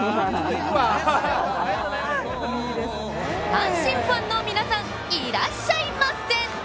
阪神ファンの皆さんいらっしゃいませ！